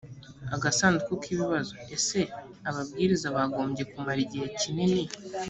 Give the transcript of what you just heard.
agasanduku k ibibazo ese ababwiriza bagombye kumara igihe kinini